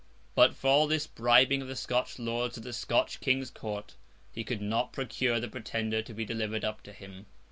But, for all this bribing of the Scotch lords at the Scotch King's Court, he could not procure the Pretender to be delivered up to him.